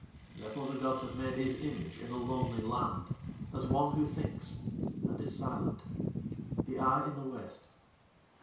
Therefore the gods have made his image in a lonely land as one who thinks and is silent the eye in the waste.